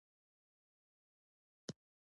دښمن ستا د ماتې پلټنه کوي